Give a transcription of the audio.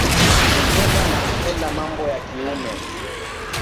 Kupenda na kutenda mambo ya kiume.